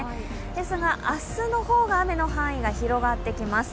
ですが、明日の方が雨の範囲が広がってきます。